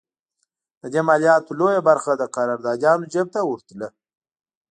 د دې مالیاتو لویه برخه د قراردادیانو جېب ته ورتله.